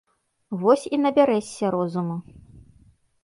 Вось і набярэшся розуму.